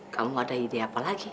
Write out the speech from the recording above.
kamu ada ide apa lagi